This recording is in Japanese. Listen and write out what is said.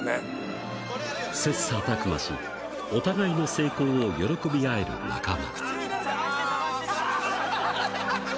切さたく磨し、お互いの成功を喜び合える仲間。